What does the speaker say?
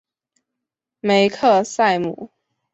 梅克赛姆。